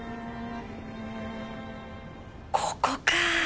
ここか